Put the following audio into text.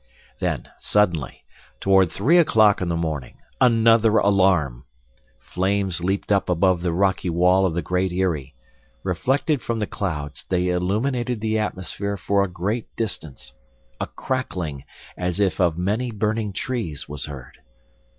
Then suddenly, toward three o'clock in the morning, another alarm! Flames leaped up above the rocky wall of the Great Eyrie. Reflected from the clouds, they illuminated the atmosphere for a great distance. A crackling, as if of many burning trees, was heard.